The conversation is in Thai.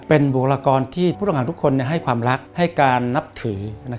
เป็นบุคลากรที่ผู้ต้องหาทุกคนให้ความรักให้การนับถือ